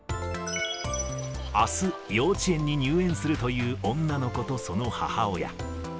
あす、幼稚園に入園するという女の子とその母親。